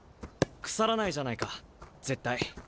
腐らないじゃないか絶対。